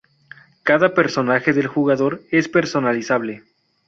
Cada personaje del jugador es personalizable.